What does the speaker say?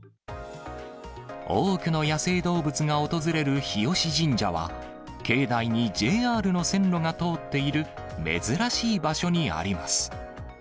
多くの野生動物が訪れる日吉神社は、境内にＪＲの線路が通っている、珍しい場所にあります。